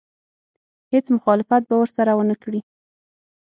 هېڅ مخالفت به ورسره ونه کړي.